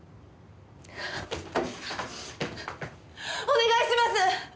お願いします！